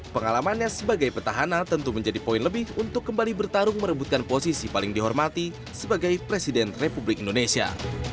pengalamannya sebagai petahana tentu menjadi poin lebih untuk kembali bertarung merebutkan posisi paling dihormati sebagai presiden republik indonesia